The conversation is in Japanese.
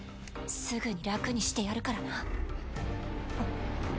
すぐに楽にしてやるからな。